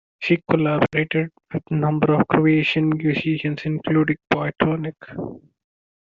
She collaborated with a number of Croatian musicians, including Boytronic.